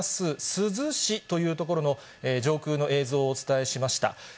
珠洲市という所の上空の映像をお伝えしました。